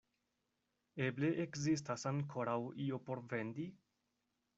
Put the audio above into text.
Eble ekzistas ankoraŭ io por vendi?